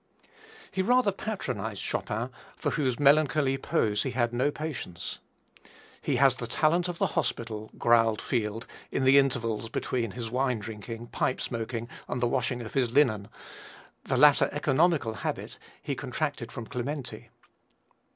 He rather patronized Chopin, for whose melancholy pose he had no patience. "He has a talent of the hospital," growled Field in the intervals between his wine drinking, pipe smoking and the washing of his linen the latter economical habit he contracted from Clementi.